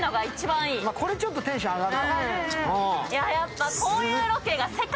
これちょっとテンション上がる。